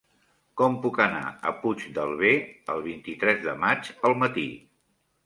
Com puc anar a Puigdàlber el vint-i-tres de maig al matí?